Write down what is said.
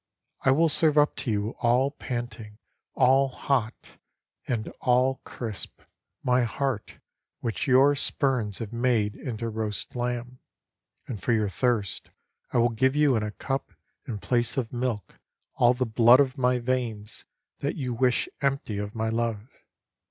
I will serve up to you all panting, all hot, and all crisp, My heart which your spurns have made into roast lamb ; And for your thirst I will give you in a cup In place of milk all the blood of my veins that you wish empty of my love.